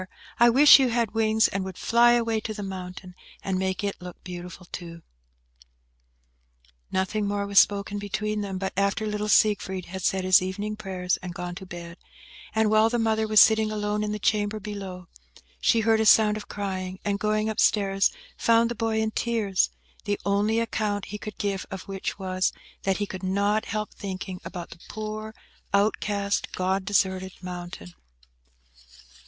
I wish you had wings, and would fly away to the mountain, and make it look beautiful, too!" Nothing more was spoken between them, but after little Siegfried had said his evening prayers, and gone to bed, and while the mother was sitting alone in the chamber below, she heard a sound of crying; and, going up stairs, found the boy in tears, the only account he could give of which was, that he could not help thinking about the poor outcast, God deserted mountain.